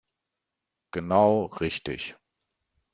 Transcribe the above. Genau richtig.